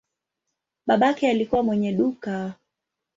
Babake alikuwa mwenye duka.